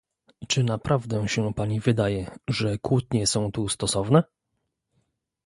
Czy naprawdę się Pani wydaje, że kłótnie są tu stosowne?